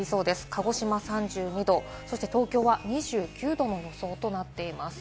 鹿児島３２度、東京は２９度の予想となっています。